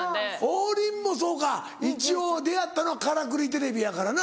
王林もそうか一応出会ったの『からくりＴＶ』やからな。